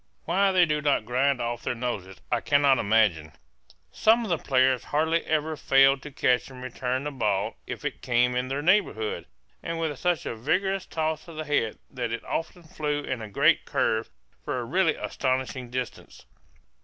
Why they do not grind off their noses I cannot imagine. Some of the players hardly ever failed to catch and return the ball if it came in their neighborhood, and with such a vigorous toss of the head that it often flew in a great curve for a really astonishing distance.